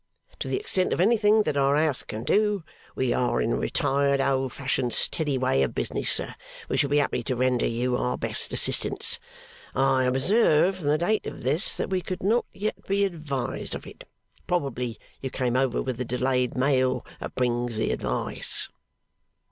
To the extent of anything that our House can do we are in a retired, old fashioned, steady way of business, sir we shall be happy to render you our best assistance. I observe, from the date of this, that we could not yet be advised of it. Probably you came over with the delayed mail that brings the advice.